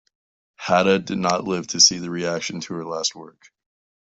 Hatta did not live to see the reaction to her last work.